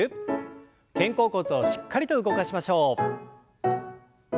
肩甲骨をしっかりと動かしましょう。